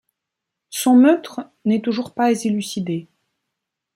Son meurtre n'est toujours pas élucidé.